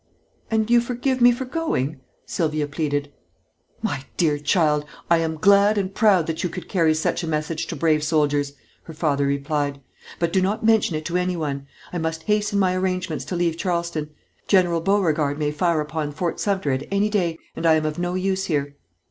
"And you forgive me for going?" Sylvia pleaded. "My dear child! I am glad and proud that you could carry such a message to brave soldiers," her father replied, "but do not mention it to anyone. I must hasten my arrangements to leave Charleston. General Beauregard may fire upon Fort Sumter at any day, and I am of no use here."